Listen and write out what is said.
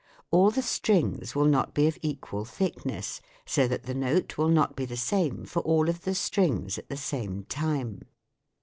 All the strings will not be of equal thickness, so that the note will not be the same for all of the strings at the same time.